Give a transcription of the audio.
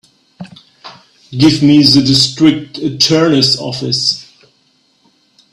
Give me the District Attorney's office.